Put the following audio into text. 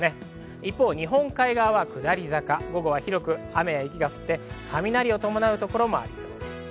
一方、日本海側は下り坂、午後は広く雨や雪が降って雷を伴うところもあります。